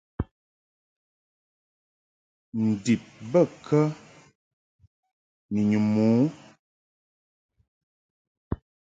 Ndib bə kə ni nyum u ?